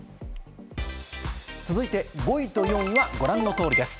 続いて５位と４位をご覧の通りです。